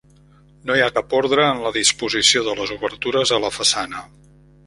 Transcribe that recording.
No hi ha cap ordre en la disposició de les obertures a la façana.